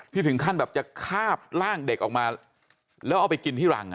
ถึงขั้นแบบจะคาบร่างเด็กออกมาแล้วเอาไปกินที่รัง